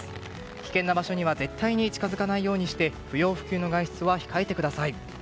危険な場所には絶対に近づかないようにして不要不急の外出は控えてください。